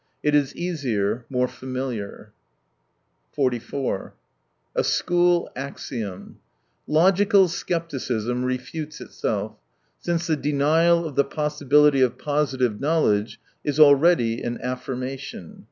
It is easier, more familiar. 44 A school axiom : logical scepticism refutes itself, since the denial of the possibility of positive knowledge is already an affirmation.